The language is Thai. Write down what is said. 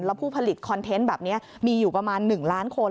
แล้วผู้ผลิตคอนเทนต์แบบนี้มีอยู่ประมาณ๑ล้านคน